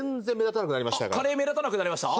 カレー目立たなくなりました？